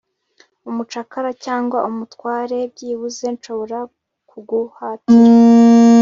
Umucakara cyangwa umutware byibuze nshobora kuguhatira